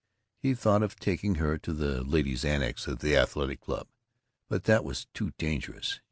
He thought of taking her to the "ladies' annex" of the Athletic Club, but that was too dangerous.